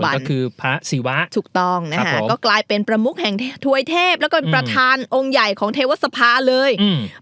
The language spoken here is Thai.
ก็คือพระศิวะถูกต้องนะฮะก็กลายเป็นประมุกแห่งถวยเทพแล้วก็เป็นประธานองค์ใหญ่ของเทวสภาเลยอืม